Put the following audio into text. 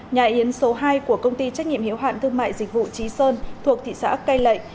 nhà yến số hai của công ty trách nhiệm hiếu hạn thương mại dịch vụ trí sơn thuộc thị xã cây lệ